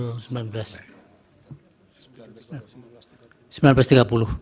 mungkin nanti kalau toh berarti